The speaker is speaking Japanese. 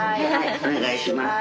お願いします。